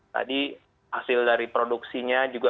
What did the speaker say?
jadi hasil dari produksinya juga